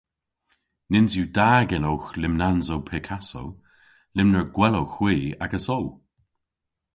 Nyns yw da genowgh lymnansow Picasso. Lymner gwell owgh hwi agesso!